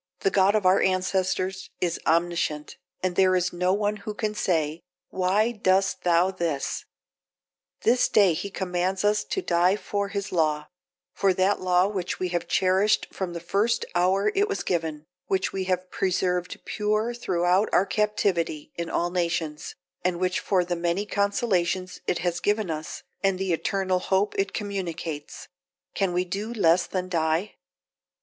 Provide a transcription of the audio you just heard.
the God of our ancestors is omniscient, and there is no one who can say, Why doest thou this? This day He commands us to die for His law; for that law which we have cherished from the first hour it was given, which we have preserved pure throughout our captivity in all nations, and which for the many consolations it has given us, and the eternal hope it communicates, can we do less than die?